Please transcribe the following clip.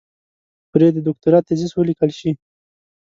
پرې د دوکتورا تېزس وليکل شي.